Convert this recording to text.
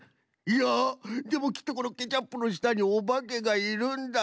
いやでもきっとこのケチャップのしたにおばけがいるんだ。